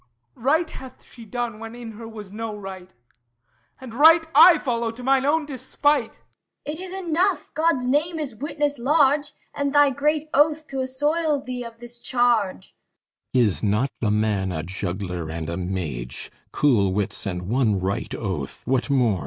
Right hath she done when in her was no right; And Right I follow to mine own despite! LEADER It is enough! God's name is witness large, And thy great oath, to assoil thee of this charge, THESEUS Is not the man a juggler and a mage, Cool wits and one right oath what more?